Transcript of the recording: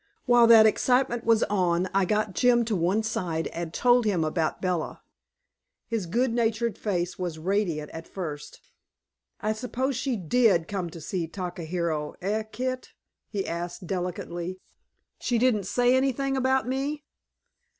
While that excitement was on, I got Jim to one side and told him about Bella. His good natured face was radiant at first. "I suppose she DID come to see Takahiro, eh, Kit?" he asked delicately. "She didn't say anything about me?"